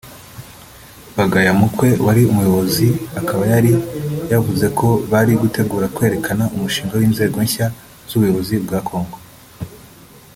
Bagayamukwe wari umuyobozi akaba yari yavuze ko bari gutegura kwerekana umushinga w’inzego nshya z’ubuyobozi bwa Congo